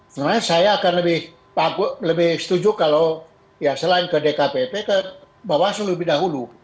sebenarnya saya akan lebih setuju kalau ya selain ke dkpp ke bawaslu lebih dahulu